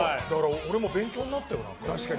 俺も勉強になったよ。